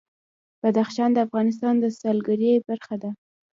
بدخشان د افغانستان د سیلګرۍ برخه ده.